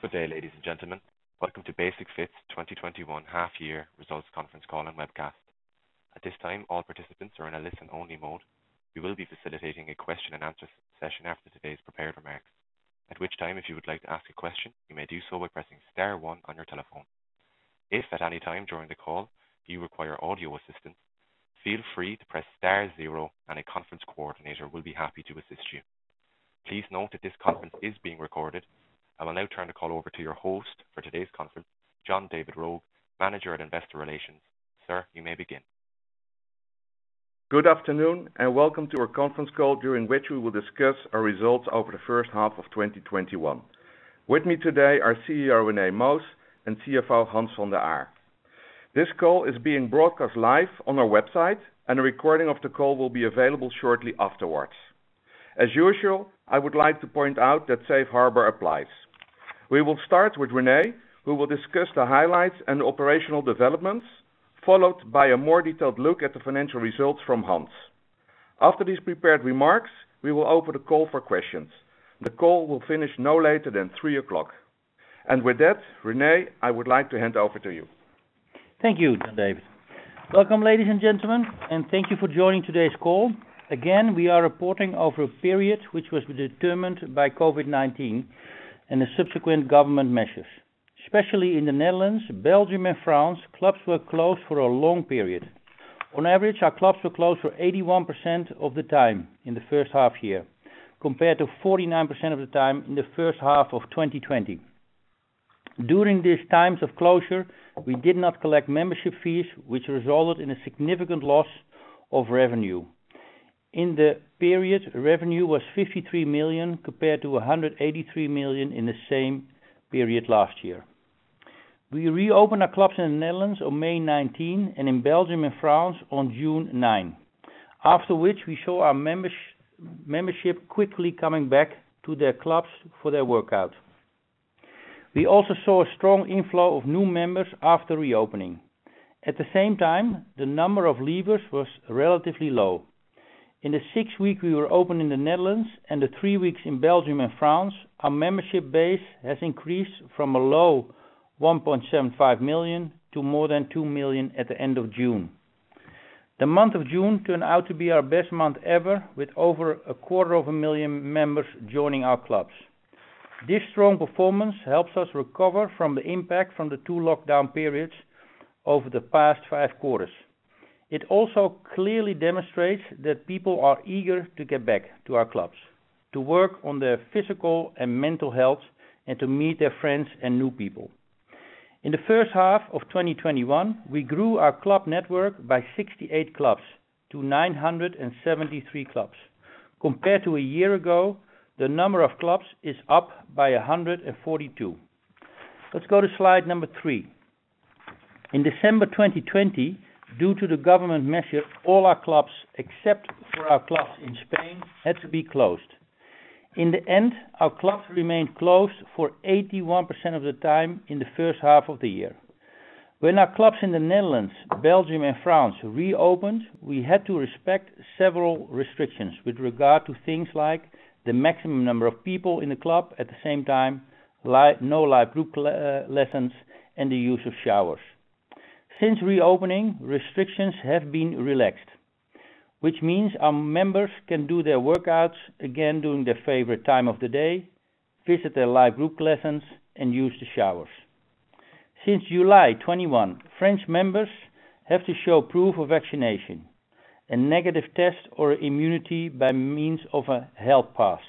Good day, ladies and gentlemen. Welcome to Basic-Fit's 2021 half year results conference call and webcast. At this time, all participants are in a listen-only mode. We will be facilitating a question-and-answer session after the today's prepared remarks. At which time, if you would like to ask a question, you may do so by pressing star one on your telephone. If during the call, you require assistant feel free to press star zero and a conference coordinator will be happy to assist you. Please note that this conference is being recorded. I will now turn the call over to your host for today's conference, John David Roeg, Manager, Investor Relations. Sir, you may begin. Good afternoon and welcome to our conference call, during which we will discuss our results over the first half of 2021. With me today are CEO Rene Moos and CFO Hans van der Aar. This call is being broadcast live on our website, and a recording of the call will be available shortly afterwards. As usual, I would like to point out that Safe Harbor applies. We will start with Rene, who will discuss the highlights and operational developments, followed by a more detailed look at the financial results from Hans. After these prepared remarks, we will open the call for questions. The call will finish no later than 3:00 P.M. With that, Rene, I would like to hand over to you. Thank you, John David. Welcome, ladies and gentlemen, and thank you for joining today's call. We are reporting over a period which was determined by COVID-19 and the subsequent government measures. In the Netherlands, Belgium, and France, clubs were closed for a long period. Our clubs were closed for 81% of the time in the first half year, compared to 49% of the time in the first half of 2020. During these times of closure, we did not collect membership fees, which resulted in a significant loss of revenue. Revenue was 53 million, compared to 183 million in the same period last year. We reopened our clubs in the Netherlands on May 19 and in Belgium and France on June 9, after which we saw our membership quickly coming back to their clubs for their workout. We also saw a strong inflow of new members after reopening. At the same time, the number of leavers was relatively low. In the six weeks we were open in the Netherlands and the three weeks in Belgium and France, our membership base has increased from a low 1.75 million to more than 2 million at the end of June. The month of June turned out to be our best month ever, with over a quarter of a million members joining our clubs. This strong performance helps us recover from the impact from the two lockdown periods over the past five quarters. It also clearly demonstrates that people are eager to get back to our clubs, to work on their physical and mental health, and to meet their friends and new people. In the first half of 2021, we grew our club network by 68 clubs to 973 clubs. Compared to a year ago, the number of clubs is up by 142. Let's go to slide number three. In December 2020, due to the government measures, all our clubs, except for our clubs in Spain, had to be closed. In the end, our clubs remained closed for 81% of the time in the first half of the year. When our clubs in the Netherlands, Belgium, and France reopened, we had to respect several restrictions with regard to things like the maximum number of people in the club at the same time, no live group lessons, and the use of showers. Since reopening, restrictions have been relaxed, which means our members can do their workouts again during their favorite time of the day, visit their live group lessons, and use the showers. Since July 21, French members have to show proof of vaccination, a negative test, or immunity by means of a health pass.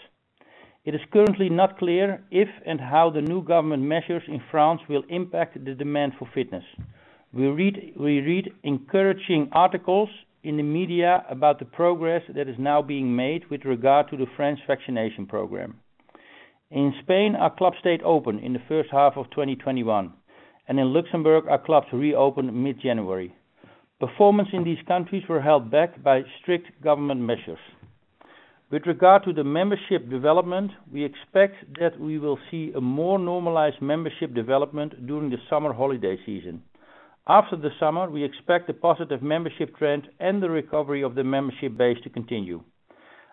It is currently not clear if and how the new government measures in France will impact the demand for fitness. We read encouraging articles in the media about the progress that is now being made with regard to the French vaccination program. In Spain, our clubs stayed open in the first half of 2021, and in Luxembourg, our clubs reopened mid-January. Performance in these countries were held back by strict government measures. With regard to the membership development, we expect that we will see a more normalized membership development during the summer holiday season. After the summer, we expect the positive membership trend and the recovery of the membership base to continue.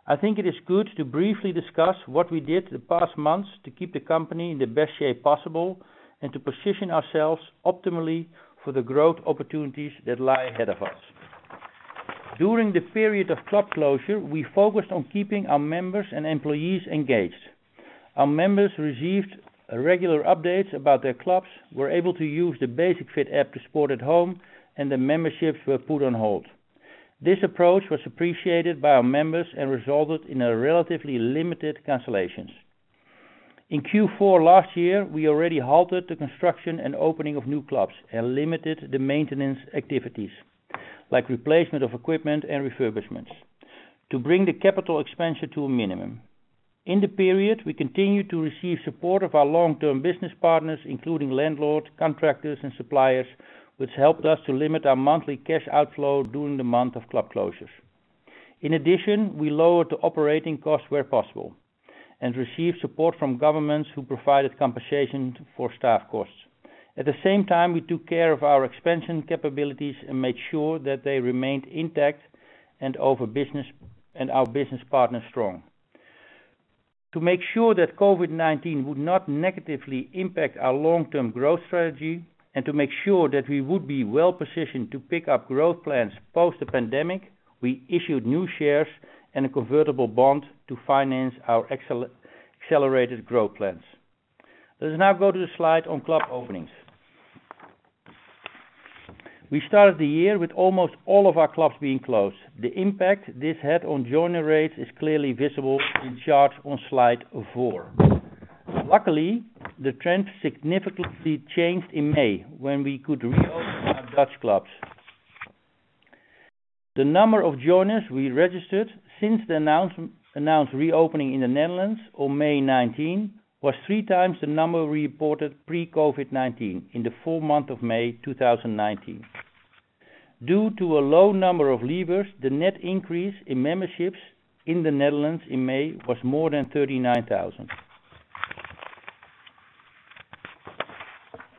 I think it is good to briefly discuss what we did the past months to keep the company in the best shape possible and to position ourselves optimally for the growth opportunities that lie ahead of us. During the period of club closure, we focused on keeping our members and employees engaged. Our members received regular updates about their clubs, were able to use the Basic-Fit app to sport at home, and their memberships were put on hold. This approach was appreciated by our members and resulted in a relatively limited cancellations. In Q4 last year, we already halted the construction and opening of new clubs and limited the maintenance activities, like replacement of equipment and refurbishments, to bring the capital expenditure to a minimum. In the period, we continued to receive support of our long-term business partners, including landlords, contractors, and suppliers, which helped us to limit our monthly cash outflow during the month of club closures. In addition, we lowered the operating costs where possible and received support from governments who provided compensation for staff costs. At the same time, we took care of our expansion capabilities and made sure that they remained intact and our business partners strong. To make sure that COVID-19 would not negatively impact our long-term growth strategy and to make sure that we would be well-positioned to pick up growth plans post the pandemic, we issued new shares and a convertible bond to finance our accelerated growth plans. Let us now go to the slide on club openings. We started the year with almost all of our clubs being closed. The impact this had on joiner rates is clearly visible in charts on slide four. Luckily, the trend significantly changed in May when we could reopen our Dutch clubs. The number of joiners we registered since the announced reopening in the Netherlands on May 19 was 3x the number we reported pre-COVID-19 in the full month of May 2019. Due to a low number of leavers, the net increase in memberships in the Netherlands in May was more than 39,000.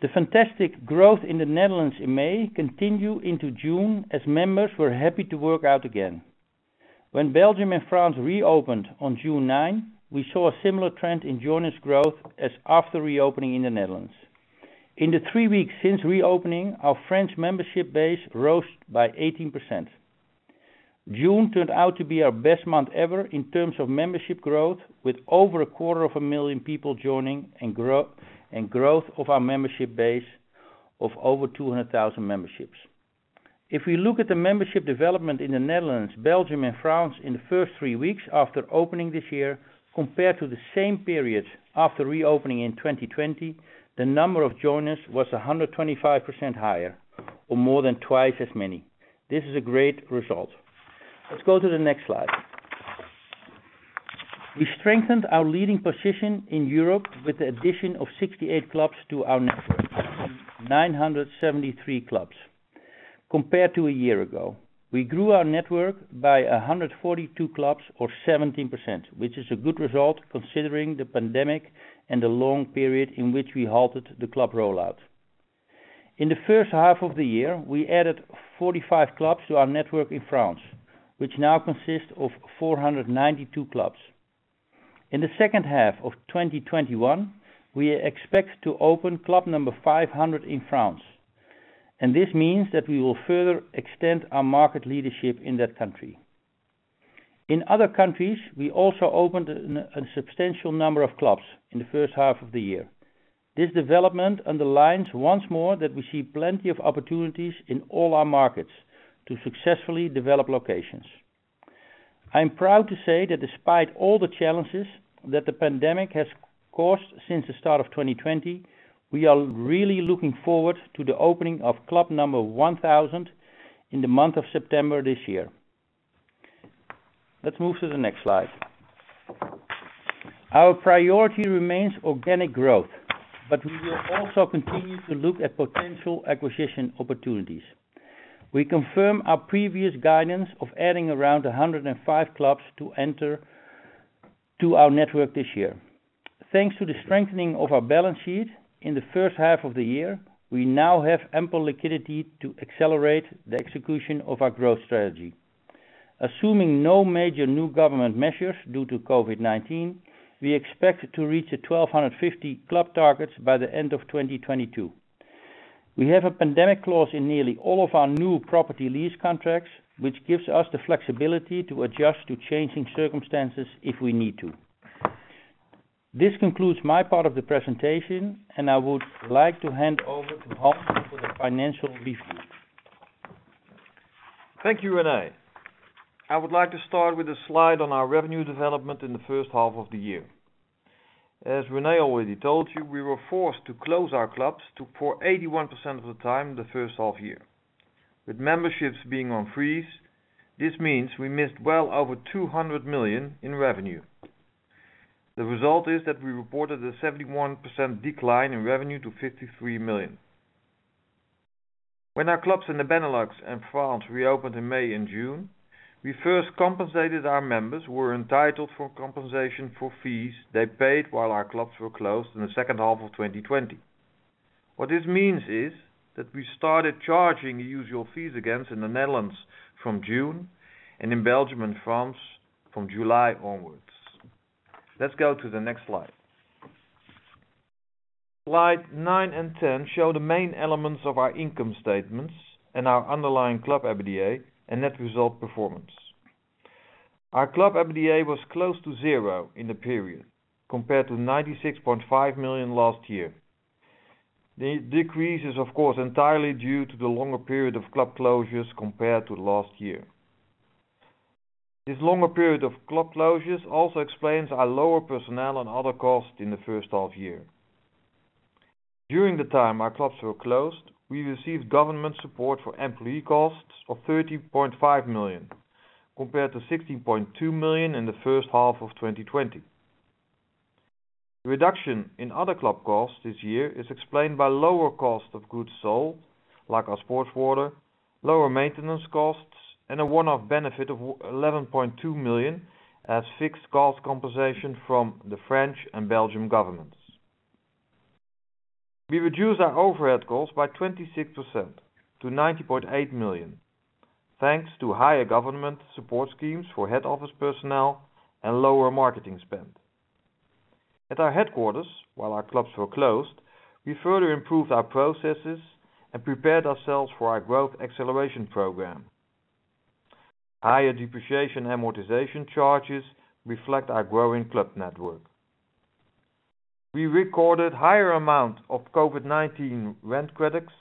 The fantastic growth in the Netherlands in May continued into June as members were happy to work out again. When Belgium and France reopened on June 9, we saw a similar trend in joiners growth as after reopening in the Netherlands. In the three weeks since reopening, our French membership base rose by 18%. June turned out to be our best month ever in terms of membership growth, with over a quarter of a million people joining and growth of our membership base of over 200,000 memberships. If we look at the membership development in the Netherlands, Belgium, and France in the first three weeks after opening this year compared to the same period after reopening in 2020, the number of joiners was 125% higher or more than twice as many. This is a great result. Let's go to the next slide. We strengthened our leading position in Europe with the addition of 68 clubs to our network, 973 clubs compared to a year ago. We grew our network by 142 clubs or 17%, which is a good result considering the pandemic and the long period in which we halted the club rollout. In the first half of the year, we added 45 clubs to our network in France, which now consists of 492 clubs. In the second half of 2021, we expect to open club number 500 in France. This means that we will further extend our market leadership in that country. In other countries, we also opened a substantial number of clubs in the first half of the year. This development underlines once more that we see plenty of opportunities in all our markets to successfully develop locations. I am proud to say that despite all the challenges that the pandemic has caused since the start of 2020, we are really looking forward to the opening of club number 1,000 in the month of September this year. Let's move to the next slide. Our priority remains organic growth. We will also continue to look at potential acquisition opportunities. We confirm our previous guidance of adding around 105 clubs to enter to our network this year. Thanks to the strengthening of our balance sheet in the first half of the year, we now have ample liquidity to accelerate the execution of our growth strategy. Assuming no major new government measures due to COVID-19, we expect to reach the 1,250 club targets by the end of 2022. We have a pandemic clause in nearly all of our new property lease contracts, which gives us the flexibility to adjust to changing circumstances if we need to. This concludes my part of the presentation, and I would like to hand over to Hans for the financial review. Thank you, Rene. I would like to start with a slide on our revenue development in the first half of the year. As Rene already told you, we were forced to close our clubs for 81% of the time in the first half year. With memberships being on freeze, this means we missed well over 200 million in revenue. The result is that we reported a 71% decline in revenue to 53 million. When our clubs in the Benelux and France reopened in May and June, we first compensated our members who were entitled for compensation for fees they paid while our clubs were closed in the second half of 2020. What this means is that we started charging usual fees again in the Netherlands from June and in Belgium and France from July onwards. Let's go to the next slide. Slide nine and 10 show the main elements of our income statements and our underlying club EBITDA and net result performance. Our club EBITDA was close to 0 in the period, compared to 96.5 million last year. The decrease is, of course, entirely due to the longer period of club closures compared to last year. This longer period of club closures also explains our lower personnel and other costs in the first half year. During the time our clubs were closed, we received government support for employee costs of 30.5 million, compared to 16.2 million in the first half of 2020. The reduction in other club costs this year is explained by lower cost of goods sold, like our sports water, lower maintenance costs and a one-off benefit of 11.2 million as fixed cost compensation from the French and Belgian governments. We reduced our overhead costs by 26% to 90.8 million thanks to higher government support schemes for head office personnel and lower marketing spend. At our headquarters, while our clubs were closed, we further improved our processes and prepared ourselves for our growth acceleration program. Higher depreciation amortization charges reflect our growing club network. We recorded higher amount of COVID-19 rent credits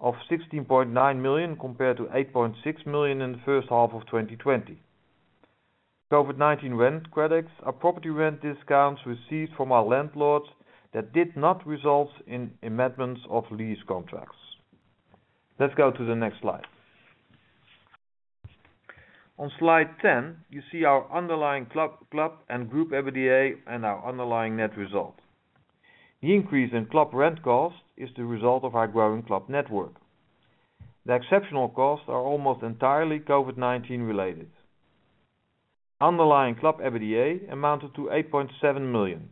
of 16.9 million compared to 8.6 million in the first half of 2020. COVID-19 rent credits are property rent discounts received from our landlords that did not result in amendments of lease contracts. Let's go to the next slide. On slide 10, you see our underlying club and group EBITDA and our underlying net result. The increase in club rent cost is the result of our growing club network. The exceptional costs are almost entirely COVID-19 related. Underlying club EBITDA amounted to 8.7 million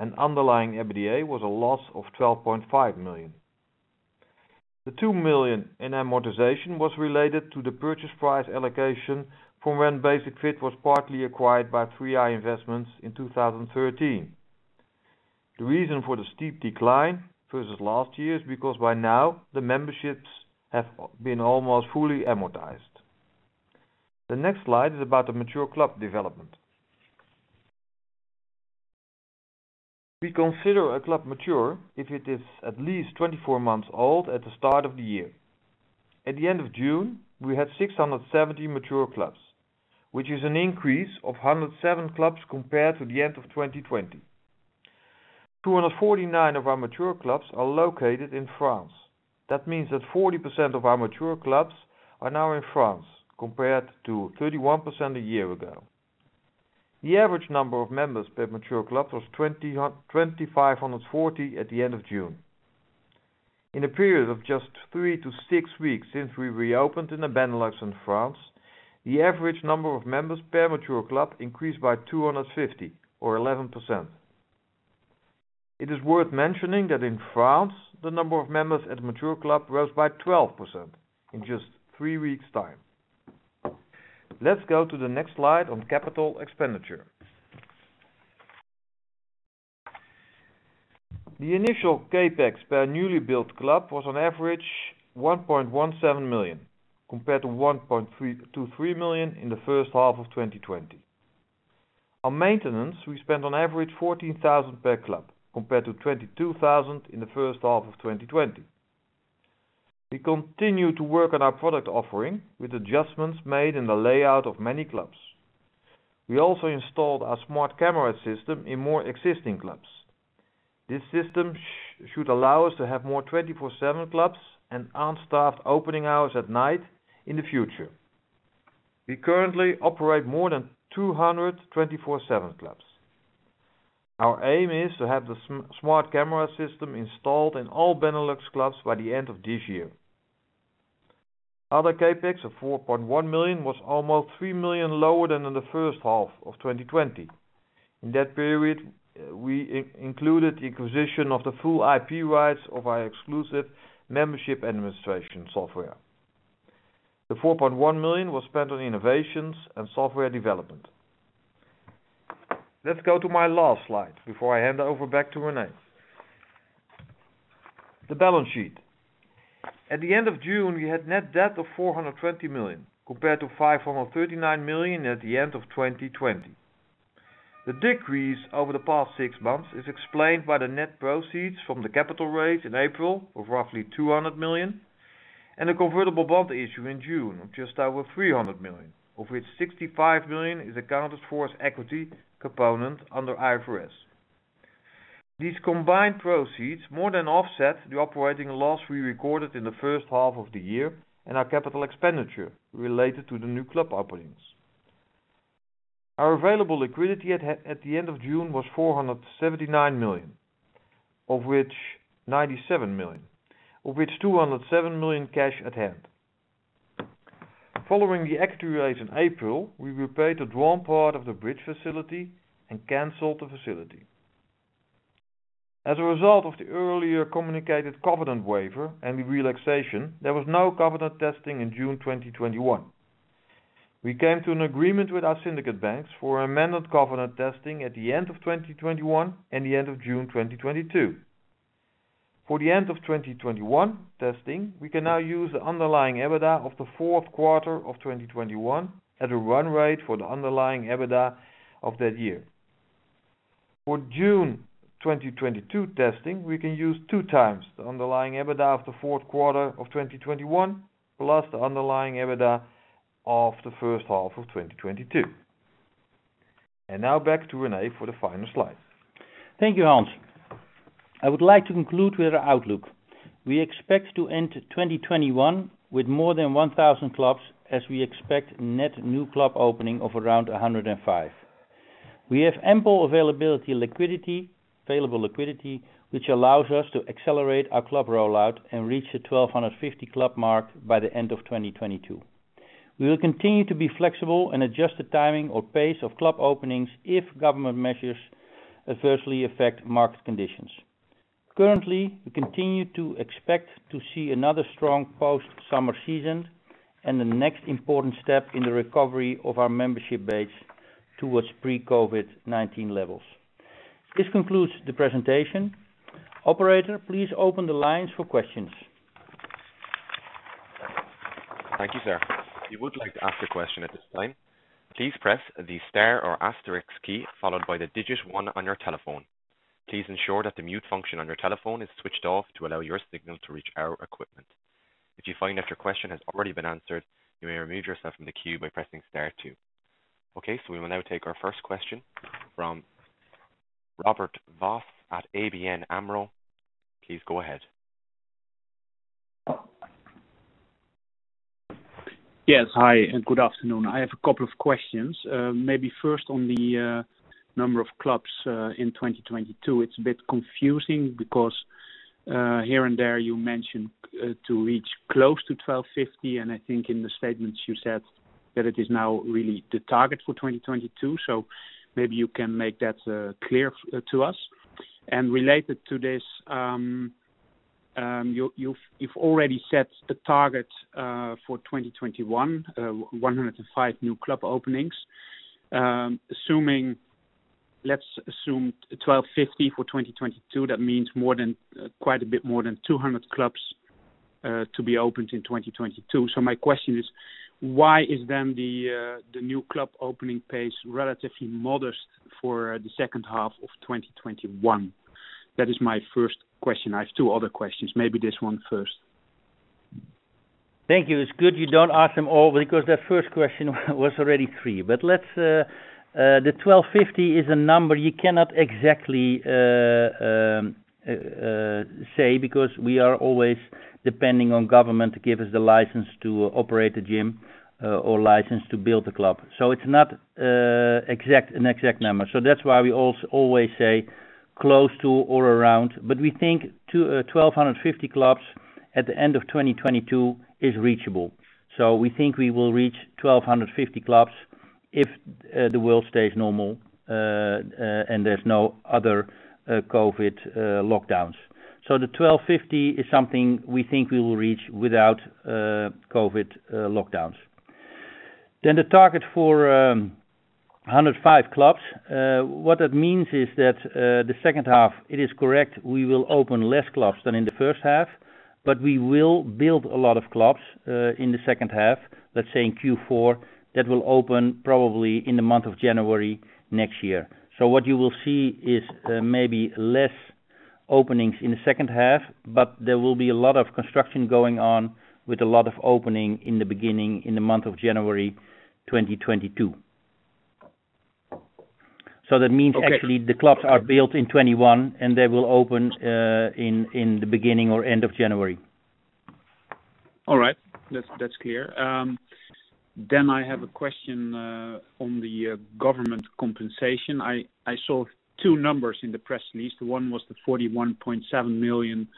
and underlying EBITDA was a loss of 12.5 million. The 2 million in amortization was related to the purchase price allocation from when Basic-Fit was partly acquired by 3i Investments in 2013. The reason for the steep decline versus last year is because by now the memberships have been almost fully amortized. The next slide is about the mature club development. We consider a club mature if it is at least 24 months old at the start of the year. At the end of June, we had 670 mature clubs, which is an increase of 107 clubs compared to the end of 2020. 249 of our mature clubs are located in France. That means that 40% of our mature clubs are now in France compared to 31% a year ago. The average number of members per mature club was 2,540 at the end of June. In a period of just three to six weeks since we reopened in the Benelux and France, the average number of members per mature club increased by 250 or 11%. It is worth mentioning that in France, the number of members at mature club rose by 12% in just three weeks' time. Let's go to the next slide on capital expenditure. The initial CapEx per newly built club was on average 1.17 million, compared to 1.23 million in the first half of 2020. On maintenance, we spent on average 14,000 per club, compared to 22,000 in the first half of 2020. We continue to work on our product offering with adjustments made in the layout of many clubs. We also installed our smart camera system in more existing clubs. This system should allow us to have more 24/7 clubs and unstaffed opening hours at night in the future. We currently operate more than 200 24/7 clubs. Our aim is to have the smart camera system installed in all Benelux clubs by the end of this year. Other CapEx of 4.1 million was almost 3 million lower than in the first half of 2020. In that period, we included the acquisition of the full IP rights of our exclusive membership administration software. The 4.1 million was spent on innovations and software development. Let's go to my last slide before I hand over back to Rene. The balance sheet. At the end of June, we had net debt of 420 million compared to 539 million at the end of 2020. The decrease over the past six months is explained by the net proceeds from the capital raise in April of roughly 200 million and a convertible bond issue in June of just over 300 million, of which 65 million is accounted for as equity component under IFRS. These combined proceeds more than offset the operating loss we recorded in the first half of the year and our CapEx related to the new club openings. Our available liquidity at the end of June was 479 million, of which 207 million cash at hand. Following the equity raise in April, we repaid the drawn part of the bridge facility and canceled the facility. As a result of the earlier communicated covenant waiver and the relaxation, there was no covenant testing in June 2021. We came to an agreement with our syndicate banks for amended covenant testing at the end of 2021 and the end of June 2022. For the end of 2021 testing, we can now use the underlying EBITDA of the fourth quarter of 2021 at a run rate for the underlying EBITDA of that year. For June 2022 testing, we can use 2x the underlying EBITDA of the fourth quarter of 2021, plus the underlying EBITDA of the first half of 2022. Now back to Rene for the final slide. Thank you, Hans. I would like to conclude with our outlook. We expect to end 2021 with more than 1,000 clubs as we expect net new club opening of around 105. We have ample available liquidity, which allows us to accelerate our club rollout and reach the 1,250 club mark by the end of 2022. We will continue to be flexible and adjust the timing or pace of club openings if government measures adversely affect market conditions. Currently, we continue to expect to see another strong post-summer season and the next important step in the recovery of our membership base towards pre-COVID-19 levels. This concludes the presentation. Operator, please open the lines for questions. Thank you, sir. If you would like to ask a question at this time, please press the star or asterisk key followed by the digit one on your telephone. Please ensure that the mute function on your telephone is switched off to allow your signal to reach our equipment. If you find that your question has already been answered, you may remove yourself from the queue by pressing star two. Okay, we will now take our first question from Robert Vos at ABN AMRO. Please go ahead. Yes. Hi, good afternoon. I have a couple of questions. Maybe first on the number of clubs in 2022. It's a bit confusing because here and there you mentioned to reach close to 1,250, and I think in the statements you said that it is now really the target for 2022. Maybe you can make that clear to us. Related to this, you've already set the target for 2021, 105 new club openings. Let's assume 1,250 for 2022. That means quite a bit more than 200 clubs to be opened in 2022. My question is, why is then the new club opening pace relatively modest for the second half of 2021? That is my first question. I have two other questions. Maybe this one first. Thank you. It's good you don't ask them all because that first question was already three. The 1,250 is a number you cannot exactly say because we are always depending on government to give us the license to operate a gym or license to build a club. It's not an exact number. That's why we always say close to or around. We think 1,250 clubs at the end of 2022 is reachable. We think we will reach 1,250 clubs if the world stays normal and there's no other COVID lockdowns. The 1,250 is something we think we will reach without COVID lockdowns. The target for 105 clubs. What that means is that the second half, it is correct, we will open less clubs than in the first half, but we will build a lot of clubs in the second half, let's say in Q4, that will open probably in the month of January next year. What you will see is maybe less openings in the second half, but there will be a lot of construction going on with a lot of opening in the beginning, in the month of January 2022. That means actually the clubs are built in 2021, and they will open in the beginning or end of January. All right. That's clear. I have a question on the government compensation. I saw two numbers in the press release. One was the 41.7 million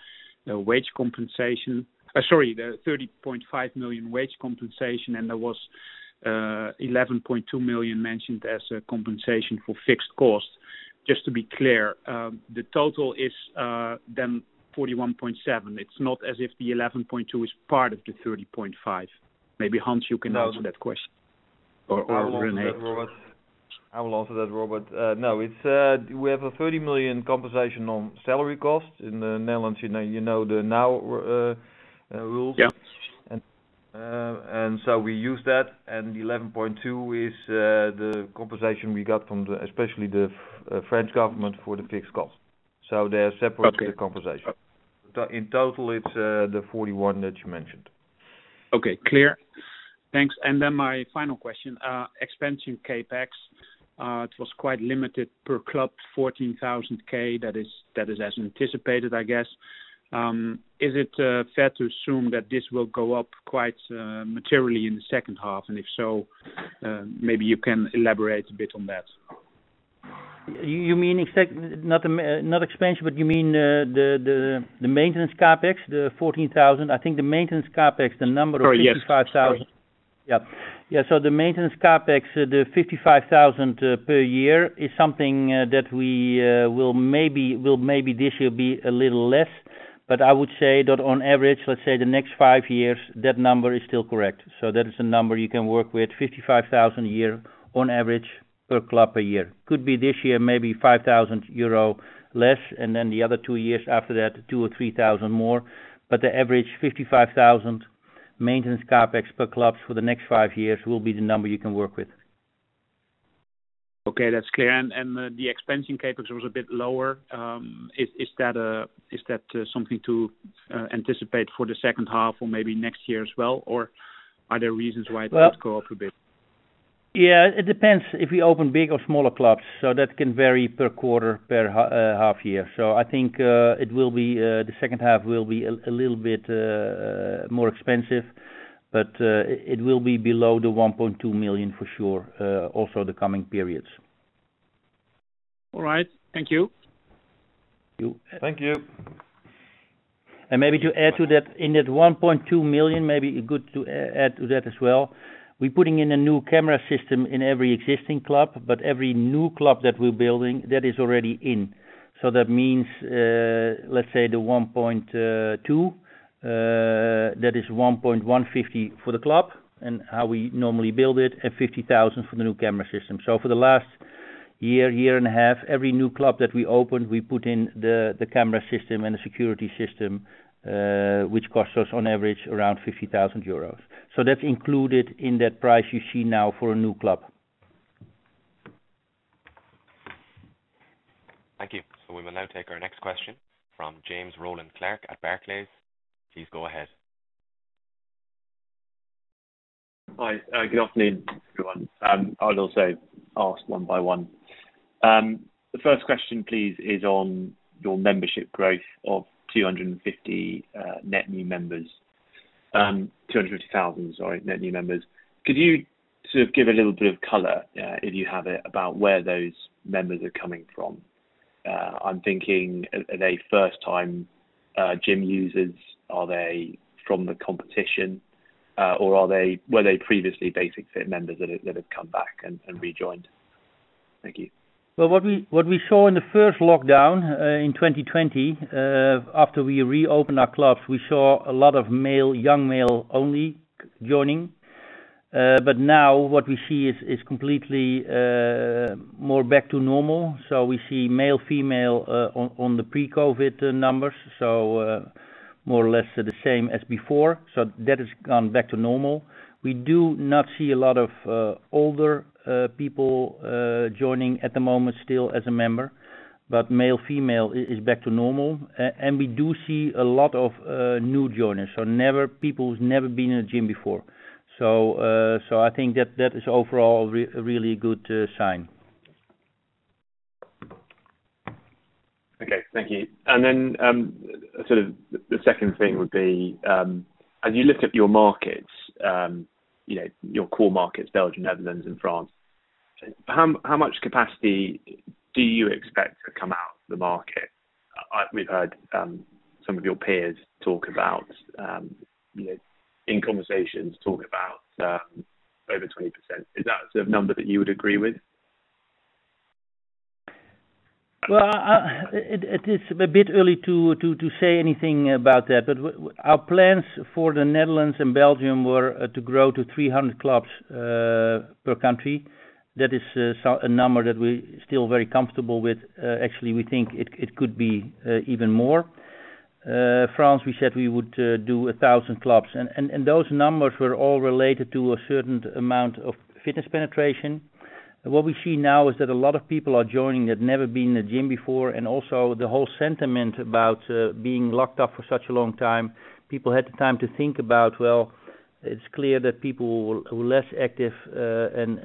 wage compensation. Sorry, the 30.5 million wage compensation, and there was 11.2 million mentioned as a compensation for fixed costs. Just to be clear, the total is then 41.7. It's not as if the 11.2 is part of the 30.5. Maybe Hans, you can answer that question. Rene. I will answer that, Robert. No. We have a 30 million compensation on salary costs in the Netherlands. You know the NOW rules. Yeah. We use that, and the 11.2 is the compensation we got from especially the French government for the fixed cost. They're separate- Okay compensations. In total, it's the 41 that you mentioned. Okay. Clear. Thanks. My final question. Expansion CapEx. It was quite limited per club, 14,000. That is as anticipated, I guess. Is it fair to assume that this will go up quite materially in the second half? If so, maybe you can elaborate a bit on that. Not expansion, but you mean the maintenance CapEx? The 14,000. I think the maintenance CapEx. Sorry, yes. 55,000. Yeah. The maintenance CapEx, the 55,000 per year, is something that will maybe this year be a little less, but I would say that on average, let's say the next five years, that number is still correct. That is a number you can work with, 55,000 a year on average per club per year. Could be this year maybe 5,000 euro less, and then the other two years after that, 2,000 or 3,000 more. The average 55,000 maintenance CapEx per club for the next five years will be the number you can work with. Okay. That's clear. The expansion CapEx was a bit lower. Is that something to anticipate for the second half or maybe next year as well? Are there reasons why it did go up a bit? It depends if we open big or smaller clubs. That can vary per quarter, per half year. I think the second half will be a little bit more expensive. It will be below 1.2 million for sure, also the coming periods. All right. Thank you. You're welcome. Thank you. Maybe to add to that, in that 1.2 million, maybe good to add to that as well, we are putting in a new camera system in every existing club, but every new club that we are building, that is already in. That means, let us say the 1.2 million, that is 1.15 million for the club and how we normally build it, and 50,000 for the new camera system. For the last year and a half, every new club that we opened, we put in the camera system and the security system, which costs us on average around 50,000 euros. That is included in that price you see now for a new club. Thank you. We will now take our next question from James Rowland Clark at Barclays. Please go ahead. Hi. Good afternoon, everyone. I'll also ask one by one. The first question please is on your membership growth of 250 net new members. 250,000, sorry, net new members. Could you sort of give a little bit of color, if you have it, about where those members are coming from? I'm thinking, are they first-time gym users? Are they from the competition? Were they previously Basic-Fit members that have come back and rejoined? Thank you. Well, what we saw in the first lockdown in 2020, after we reopened our clubs, we saw a lot of young male only joining. Now what we see is completely more back to normal. We see male, female, on the pre-COVID-19 numbers, more or less the same as before. That has gone back to normal. We do not see a lot of older people joining at the moment still as a member, but male, female is back to normal. We do see a lot of new joiners, people who's never been in a gym before. I think that is overall a really good sign. Okay. Thank you. Sort of the second thing would be, as you look at your markets, your core markets, Belgium, Netherlands, and France, how much capacity do you expect to come out the market? We've heard some of your peers talk about, in conversations, talk about over 20%. Is that the sort of number that you would agree with? It is a bit early to say anything about that. Our plans for the Netherlands and Belgium were to grow to 300 clubs per country. That is a number that we're still very comfortable with. Actually, we think it could be even more. France, we said we would do 1,000 clubs, and those numbers were all related to a certain amount of fitness penetration. What we see now is that a lot of people are joining that never been in a gym before, and also the whole sentiment about being locked up for such a long time. People had the time to think about, well, it's clear that people who are less active and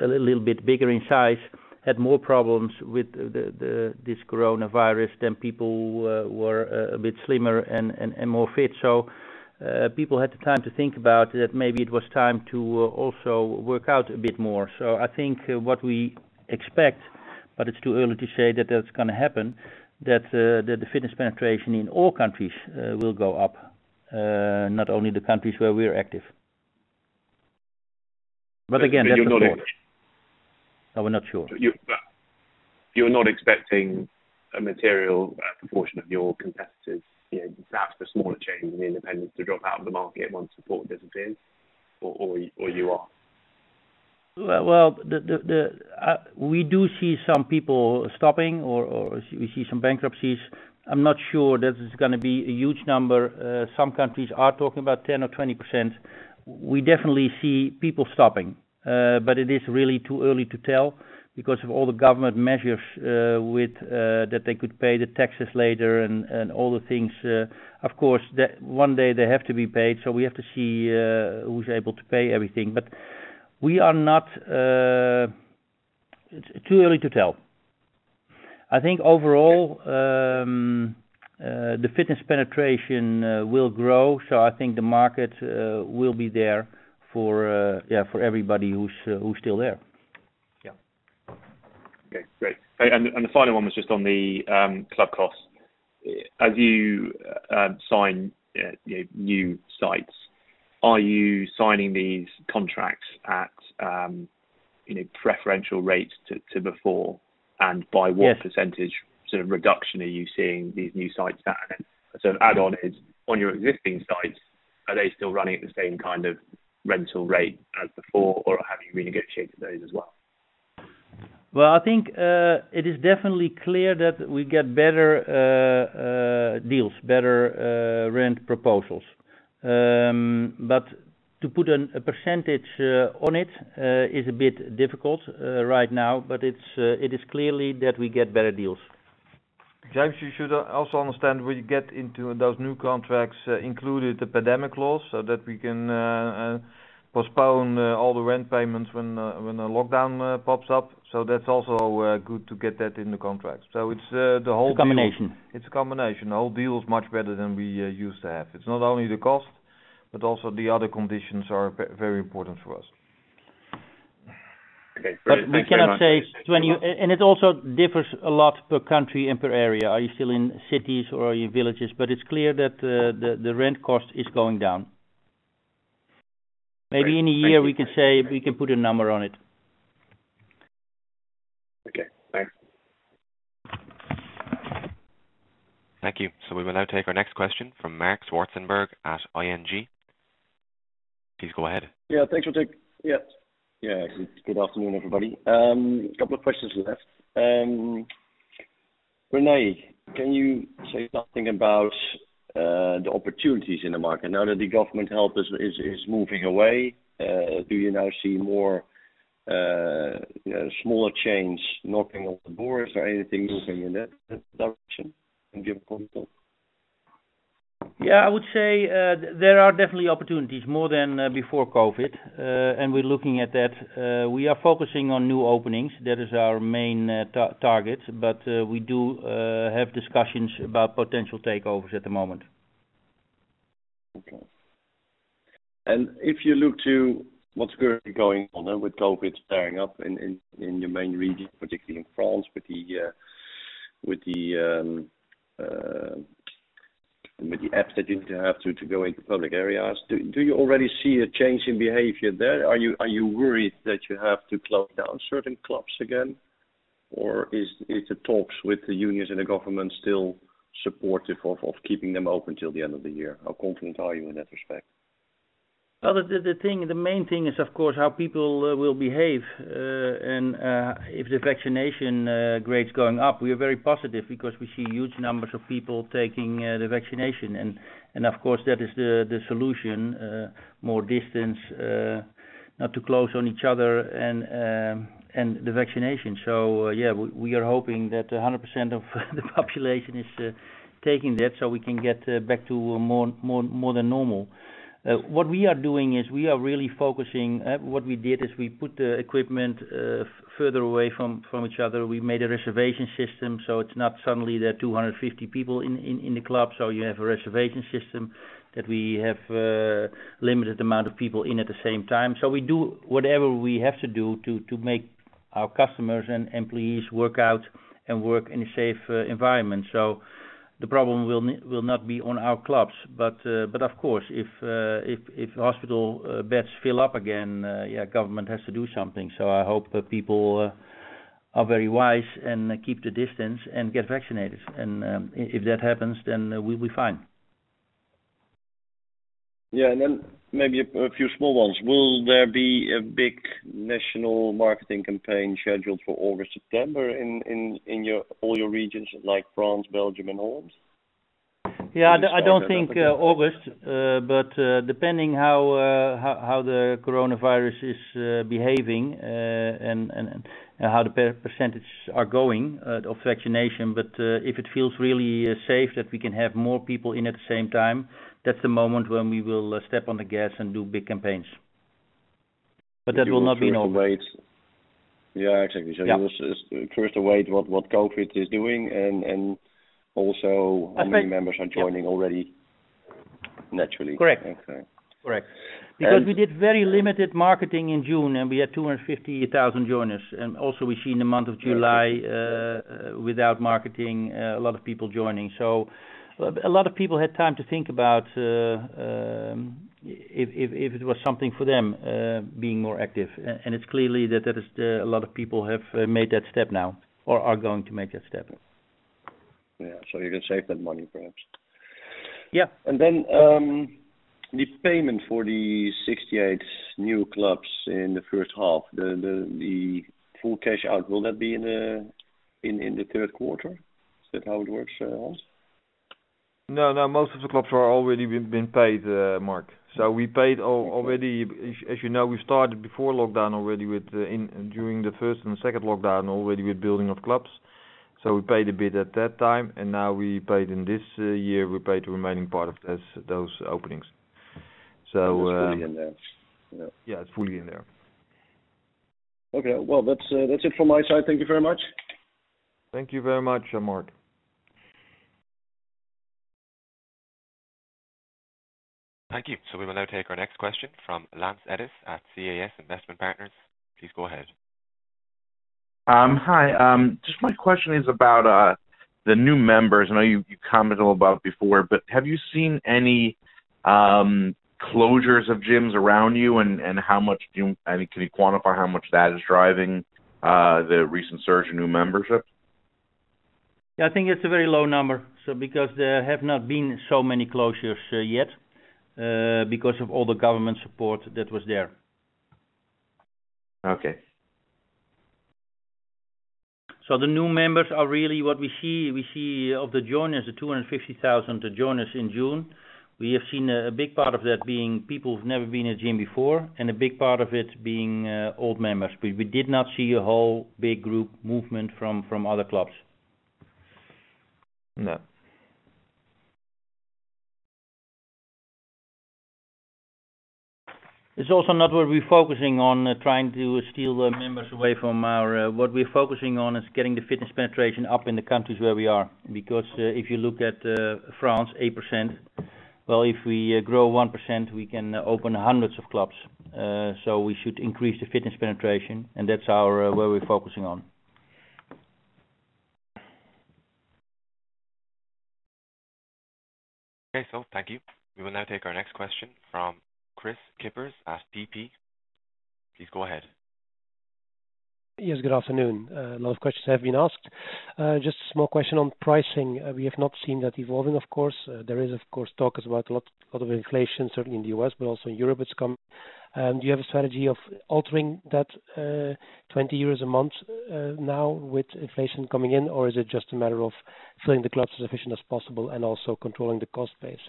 a little bit bigger in size had more problems with this COVID-19 than people who were a bit slimmer and more fit. People had the time to think about that maybe it was time to also work out a bit more. I think what we expect, but it's too early to say that that's going to happen, that the fitness penetration in all countries will go up, not only the countries where we're active. Again, that's a thought. You're not expecting? No, we're not sure. You're not expecting a material proportion of your competitors, perhaps the smaller chains and the independents to drop out of the market once support disappears, or you are? Well, we do see some people stopping, or we see some bankruptcies. I'm not sure that it's going to be a huge number. Some countries are talking about 10% or 20%. We definitely see people stopping. It is really too early to tell because of all the government measures, that they could pay the taxes later and all the things. Of course, one day they have to be paid, we have to see who's able to pay everything. It's too early to tell. The fitness penetration will grow. I think the market will be there for everybody who's still there. Yeah. Okay, great. The final one was just on the club costs. As you sign new sites, are you signing these contracts at preferential rates to before? By what percentage sort of reduction are you seeing these new sites at? Sort of add on is, on your existing sites, are they still running at the same kind of rental rate as before, or have you renegotiated those as well? Well, I think it is definitely clear that we get better deals, better rent proposals. To put a percentage on it is a bit difficult right now. It is clearly that we get better deals. James, you should also understand we get into those new contracts included the pandemic clause, so that we can postpone all the rent payments when a lockdown pops up. That's also good to get that in the contract. It's the whole deal. It's a combination. It's a combination. The whole deal is much better than we used to have. It's not only the cost, but also the other conditions are very important for us. Okay. Thank you very much. We cannot say when. It also differs a lot per country and per area. Are you still in cities or are you in villages? It's clear that the rent cost is going down. Great. Thank you. Maybe in a year we can put a number on it. Okay, thanks. Thank you. We will now take our next question from Marc Zwartsenburg at ING. Please go ahead. Yeah, thanks. Yeah. Good afternoon, everybody. Couple of questions left. Rene, can you say something about the opportunities in the market now that the government help is moving away? Do you now see more smaller chains knocking on the doors or anything moving in that direction? Can you give a comment on? Yeah, I would say there are definitely opportunities, more than before COVID. We're looking at that. We are focusing on new openings. That is our main target. We do have discussions about potential takeovers at the moment. Okay. If you look to what's currently going on with COVID stirring up in your main region, particularly in France, with the apps that you have to go into public areas, do you already see a change in behavior there? Are you worried that you have to close down certain clubs again? Or is the talks with the unions and the government still supportive of keeping them open till the end of the year? How confident are you in that respect? The main thing is of course, how people will behave. If the vaccination rate's going up, we are very positive because we see huge numbers of people taking the vaccination. Of course, that is the solution. More distance, not too close on each other, and the vaccination. Yeah, we are hoping that 100% of the population is taking that so we can get back to more than normal. What we are doing is we are really focusing. What we did is we put the equipment further away from each other. We made a reservation system, so it's not suddenly there are 250 people in the club. You have a reservation system that we have a limited amount of people in at the same time. We do whatever we have to do to make our customers and employees work out and work in a safe environment. The problem will not be on our clubs. Of course, if hospital beds fill up again, government has to do something. I hope that people are very wise and keep the distance and get vaccinated. If that happens, then we'll be fine. Yeah. Maybe a few small ones. Will there be a big national marketing campaign scheduled for August, September in all your regions like France, Belgium, and Holland? Yeah, I don't think August. Depending how the coronavirus is behaving and how the percentage are going of vaccination. If it feels really safe that we can have more people in at the same time, that's the moment when we will step on the gas and do big campaigns. That will not be now. Yeah, exactly. Yeah. You first await what COVID is doing and also how many members are joining already naturally. Correct. Okay. Correct. We did very limited marketing in June, we had 250,000 join us. We see in the month of July, without marketing, a lot of people joining. A lot of people had time to think about if it was something for them, being more active. It's clearly that a lot of people have made that step now or are going to make that step. Yeah. You can save that money, perhaps. Yeah. The payment for the 68 new clubs in the first half, the full cash out, will that be in the third quarter? Is that how it works, Hans? No. Most of the clubs are already been paid, Marc. We paid already. As you know, we started before lockdown already during the first and second lockdown already with building of clubs. We paid a bit at that time, and now we paid in this year, we paid the remaining part of those openings. It's fully in there. Yeah. Yeah, it's fully in there. Okay. Well, that's it from my side. Thank you very much. Thank you very much, Marc. Thank you. We will now take our next question from Lance Ettus at CAS Investment Partners. Please go ahead. Hi. Just my question is about the new members. I know you commented a little about it before, but have you seen any closures of gyms around you? Can you quantify how much that is driving the recent surge in new membership? Yeah, I think it's a very low number. Because there have not been so many closures yet because of all the government support that was there. Okay. The new members are really what we see of the joiners, the 250,000 joiners in June. We have seen a big part of that being people who've never been in a gym before and a big part of it being old members. We did not see a whole big group movement from other clubs. No. It's also not what we're focusing on, trying to steal the members away from our. What we're focusing on is getting the fitness penetration up in the countries where we are. If you look at France, 8%. Well, if we grow 1%, we can open hundreds of clubs. We should increase the fitness penetration and that's where we're focusing on. Okay. Thank you. We will now take our next question from Kris Kippers at DP. Please go ahead. Good afternoon. A lot of questions have been asked. Just a small question on pricing. We have not seen that evolving, of course. There is, of course, talk as well, a lot about inflation, certainly in the U.S., but also in Europe it's coming. Do you have a strategy of altering that 20 euros a month now with inflation coming in, or is it just a matter of filling the clubs as efficient as possible and also controlling the cost base?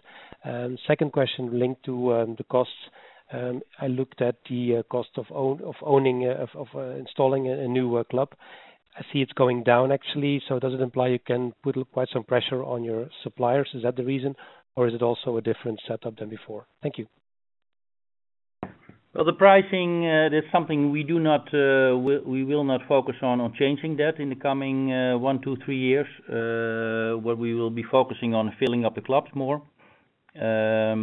Second question linked to the costs. I looked at the cost of installing a new club. I see it's going down, actually. Does it imply you can put quite some pressure on your suppliers? Is that the reason? Or is it also a different setup than before? Thank you. Well, the pricing, that is something we will not focus on changing that in the coming one to three years. What we will be focusing on filling up the clubs more. The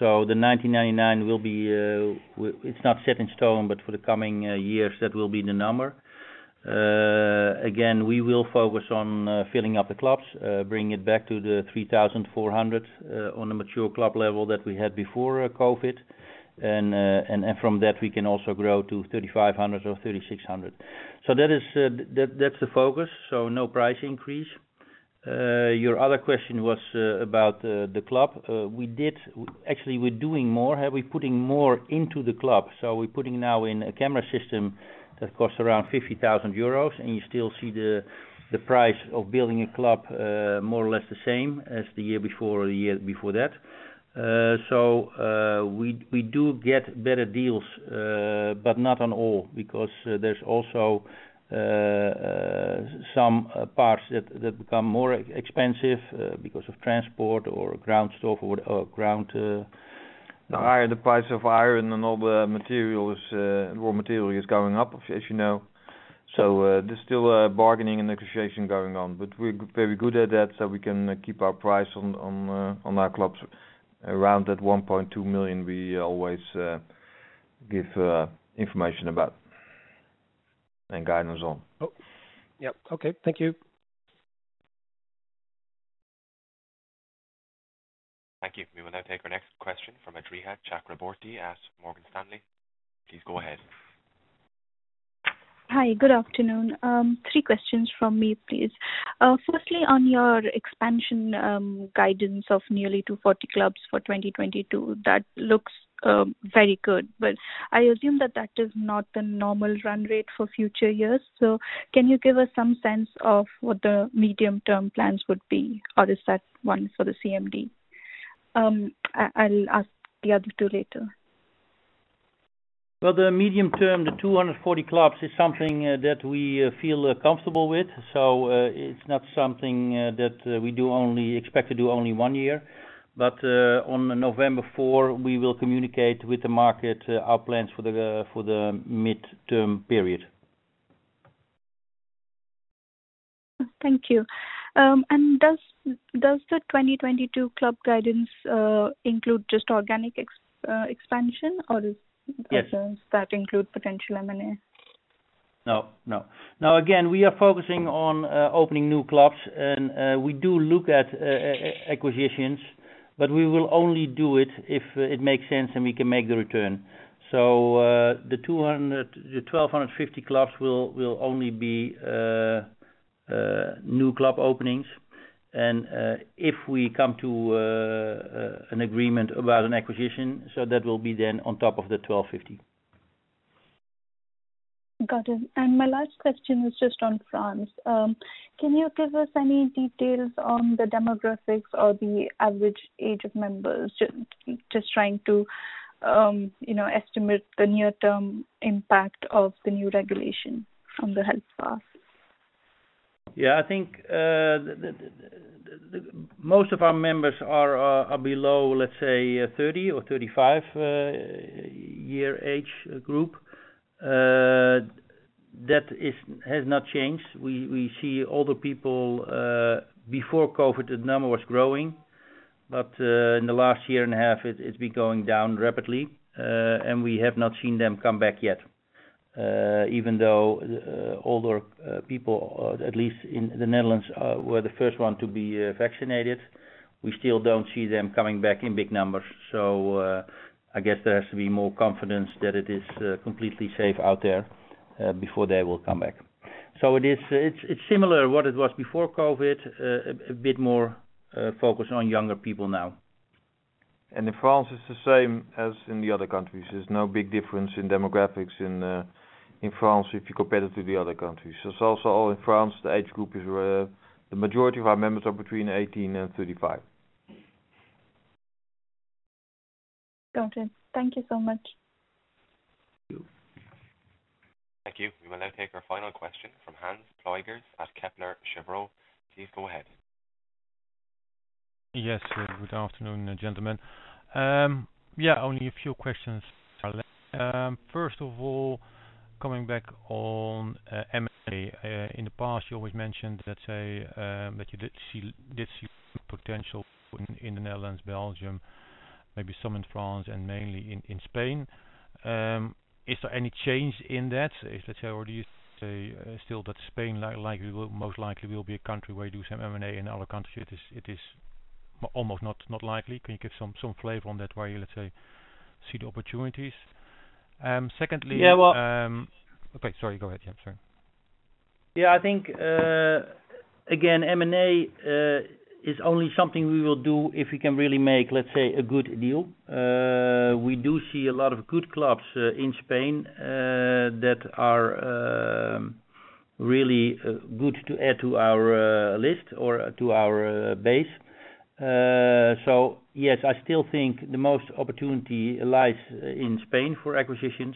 19.99 it is not set in stone, but for the coming years, that will be the number. Again, we will focus on filling up the clubs, bringing it back to the 3,400 on a mature club level that we had before COVID. From that, we can also grow to 3,500 or 3,600. That is the focus. No price increase. Your other question was about the club. Actually, we are doing more. We are putting more into the club. We are putting now in a camera system that costs around 50,000 euros, and you still see the price of building a club more or less the same as the year before or the year before that. We do get better deals, but not on all because there is also some parts that become more expensive because of transport or ground stock. The price of iron and all the raw material is going up, as you know. There's still bargaining and negotiation going on, but we're very good at that, so we can keep our price on our clubs around that 1.2 million we always give information about and guidance on. Oh, yeah. Okay. Thank you. Thank you. We will now take our next question from Adrija Chakraborty at Morgan Stanley. Please go ahead. Hi. Good afternoon. Three questions from me, please. Firstly, on your expansion guidance of nearly 240 clubs for 2022, that looks very good. I assume that that is not the normal run rate for future years. Can you give us some sense of what the medium-term plans would be, or is that one for the CMD? I'll ask the other two later. The medium term, the 240 clubs is something that we feel comfortable with. It's not something that we expect to do only one year. On November 4, we will communicate with the market our plans for the midterm period. Thank you. Does the 2022 club guidance include just organic expansion- Yes. ...that include potential M&A? No. Now, again, we are focusing on opening new clubs, and we do look at acquisitions, but we will only do it if it makes sense and we can make the return. The 1,250 clubs will only be new club openings. If we come to an agreement about an acquisition, so that will be then on top of the 1,250. Got it. My last question was just on France. Can you give us any details on the demographics or the average age of members? Just trying to estimate the near-term impact of the new regulation from the health pass. I think most of our members are below, let's say, 30 or 35 year age group. That has not changed. We see older people. Before COVID, the number was growing. In the last year and a half, it's been going down rapidly. We have not seen them come back yet. Even though older people, at least in the Netherlands, were the first one to be vaccinated, we still don't see them coming back in big numbers. I guess there has to be more confidence that it is completely safe out there before they will come back. It's similar what it was before COVID, a bit more focused on younger people now. In France, it's the same as in the other countries. There's no big difference in demographics in France if you compare it to the other countries. It's also in France, the majority of our members are between 18 and 35. Got it. Thank you so much. Thank you. Thank you. We will now take our final question from Hans Pluijgers at Kepler Cheuvreux. Please go ahead. Yes. Good afternoon, gentlemen. Only a few questions. First of all, coming back on M&A. In the past, you always mentioned that you did see potential in the Netherlands, Belgium. Maybe some in France and mainly in Spain. Is there any change in that? Or do you still say that Spain most likely will be a country where you do some M&A, in other countries it is almost not likely. Can you give some flavor on that where you see the opportunities? Secondly-- Yeah, well. Okay. Sorry, go ahead. Yeah, sorry. Yeah, I think, again, M&A is only something we will do if we can really make, let's say, a good deal. We do see a lot of good clubs in Spain that are really good to add to our list or to our base. Yes, I still think the most opportunity lies in Spain for acquisitions.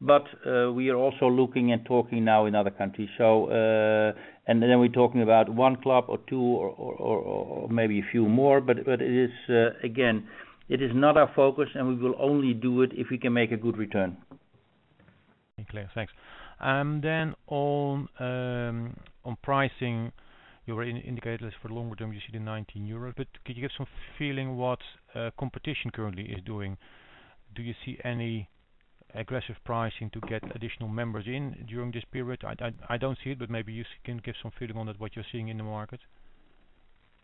We are also looking and talking now in other countries. We are talking about one club or two or maybe a few more. Again, it is not our focus and we will only do it if we can make a good return. Okay. Thanks. On pricing, you indicated for longer term, you see the 19 euros. Could you give some feeling what competition currently is doing? Do you see any aggressive pricing to get additional members in during this period? I don't see it, but maybe you can give some feeling on that, what you're seeing in the market.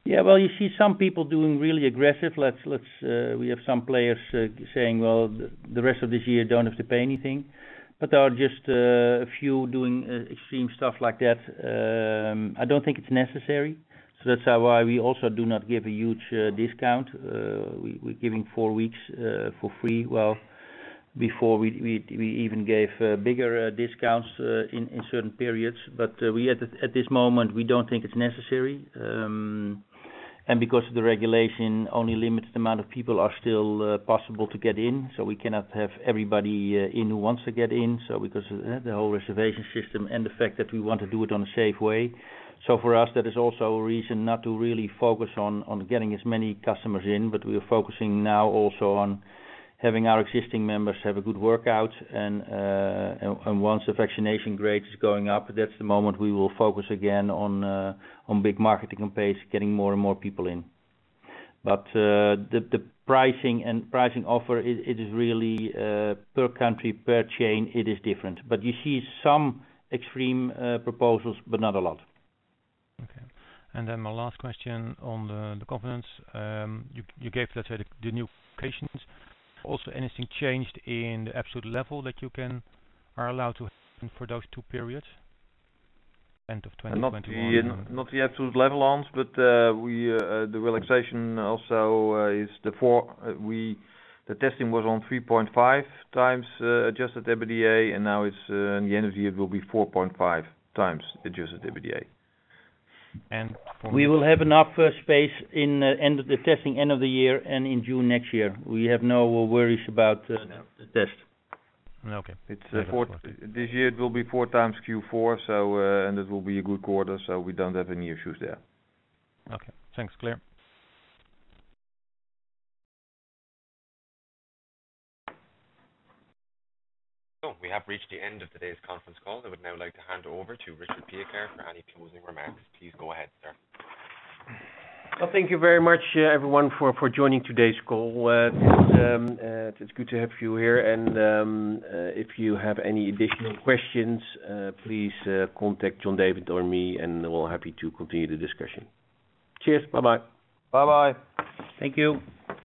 Well, you see some people doing really aggressive. We have some players saying, well, the rest of this year, you don't have to pay anything. There are just a few doing extreme stuff like that. I don't think it's necessary. That's why we also do not give a huge discount. We're giving four weeks for free. Well, before we even gave bigger discounts in certain periods. At this moment, we don't think it's necessary. Because of the regulation, only limited amount of people are still possible to get in. We cannot have everybody in who wants to get in. Because the whole reservation system and the fact that we want to do it on a safe way. For us, that is also a reason not to really focus on getting as many customers in, but we are focusing now also on having our existing members have a good workout. Once the vaccination rate is going up, that's the moment we will focus again on big marketing campaigns, getting more and more people in. The pricing offer, it is really per country, per chain, it is different. You see some extreme proposals, but not a lot. Okay. My last question on the confidence. You gave, let's say, the new locations. Also, anything changed in the absolute level that you are allowed to open for those two periods at the end of 2021? Not the absolute level, Hans, but the relaxation also is. The testing was on 3.5x adjusted EBITDA, and now in the end of the year, it will be 4.5x adjusted EBITDA. And for- We will have enough space in the testing end of the year and in June next year. We have no worries about the test. Okay. This year it will be 4x Q4, and it will be a good quarter, so we don't have any issues there. Okay. Thanks. Clear. We have reached the end of today's conference call. I would now like to hand over to Richard Piekaar for any closing remarks. Please go ahead, sir. Well, thank you very much, everyone, for joining today's call. It's good to have you here. If you have any additional questions, please contact John David or me, and we're happy to continue the discussion. Cheers. Bye-bye. Bye-bye. Thank you.